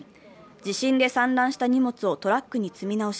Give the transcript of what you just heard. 地震で散乱した荷物をトラックに積み直し